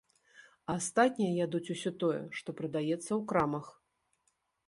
А астатнія ядуць усё тое, што прадаецца ў крамах.